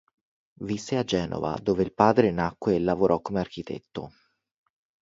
Visse a Genova dove il padre nacque e lavorò come architetto.